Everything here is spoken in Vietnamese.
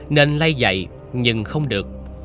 nên lay dậy nhưng không được